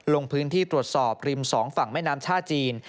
ลงพื้นที่ตรวจสอบริมสองฝั่งแม่น้ำท่าจีน